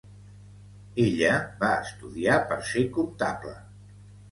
Ella va estudiar per ser comptable.